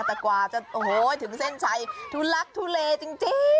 แต่กว่าจะโอ้โหถึงเส้นชัยทุลักทุเลจริง